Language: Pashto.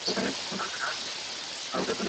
که پښتانه تعلیم وکړي، نو ژوند به یې سم شي.